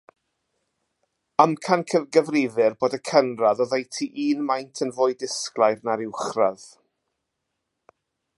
Amcangyfrifir bod y cynradd oddeutu un maint yn fwy disglair na'r uwchradd.